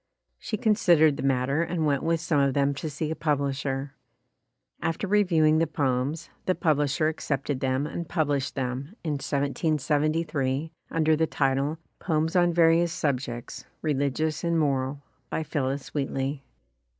She considered the matter and went with some of them to see a publisher. After reviewing the poems, the publisher accepted them and pub lished them, in 1773, under the title, "Poems on Various Subjects, Religious and Moral, by Phillis Wheatley".